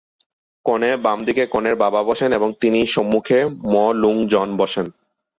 কনে বামদিকে কনের বাবা বসেন এবং তিনি সম্মুখে ম-লুং জন বসেন।